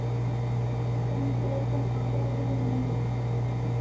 Emi Tay som apaw den dai